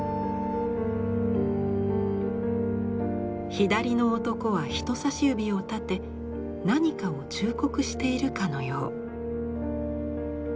左の男は人さし指を立て何かを忠告しているかのよう。